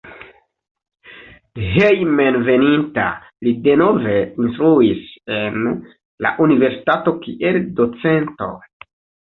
Hejmenveninta li denove instruis en la universitato kiel docento.